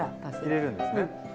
入れるんですね。